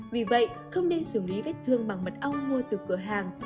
vì vậy không nên xử lý vết thương bằng mật ong mua từ cửa hàng